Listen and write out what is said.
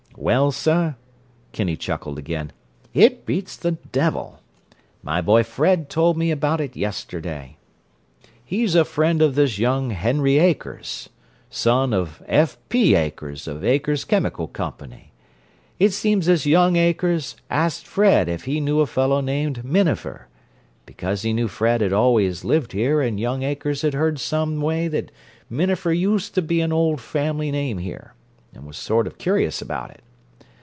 "Well, sir," Kinney chuckled again, "it beats the devil! My boy Fred told me about it yesterday. He's a friend of this young Henry Akers, son of F. P. Akers of the Akers Chemical Company. It seems this young Akers asked Fred if he knew a fellow named Minafer, because he knew Fred had always lived here, and young Akers had heard some way that Minafer used to be an old family name here, and was sort of curious about it.